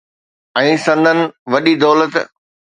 ۽ سندن وڏي دولت.